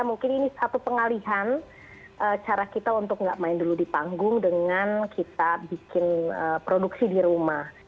mungkin ini satu pengalihan cara kita untuk nggak main dulu di panggung dengan kita bikin produksi di rumah